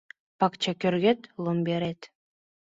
Пакчагӧргет — ломберет